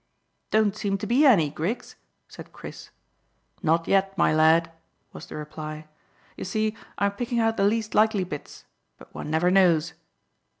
"Don't seem to be any, Griggs," said Chris. "Not yet, my lad," was the reply. "You see, I'm picking out the least likely bits; but one never knows."